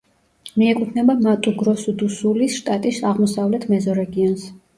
მიეკუთვნება მატუ-გროსუ-დუ-სულის შტატის აღმოსავლეთ მეზორეგიონს.